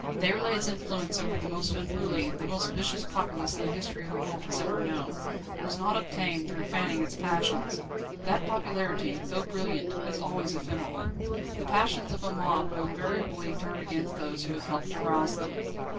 Déroulède's influence over the most unruly, the most vicious populace the history of the world has ever known, was not obtained through fanning its passions. That popularity, though brilliant, is always ephemeral. The passions of a mob will invariably turn against those who have helped to rouse them.